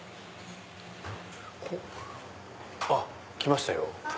あっ来ましたよ。